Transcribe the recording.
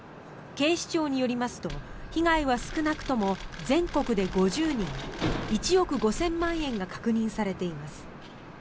警視庁によりますと被害は少なくとも全国で５０人１億５０００万円が確認されています。